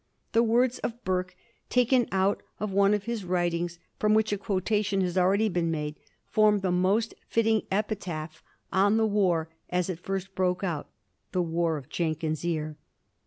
The words of Burke, taken out of one of his writings from which a quotation has already been made, form the most fitting epitaph on the war as it first broke out — the war of Jenkins's ear.